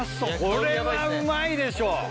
これはうまいでしょ！